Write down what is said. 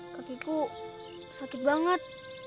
kekiku sakit banget